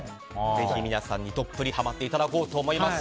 ぜひ皆さんにどっぷりハマっていただこうと思います。